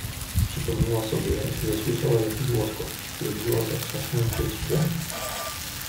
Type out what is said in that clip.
"Przypomniała sobie, że słyszała jakiś łoskot, który wzięła za trzaśnięcie drzwiami."